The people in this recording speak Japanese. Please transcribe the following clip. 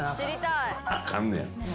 あかんねや。